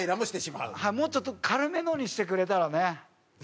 もうちょっと軽めのにしてくれたらね。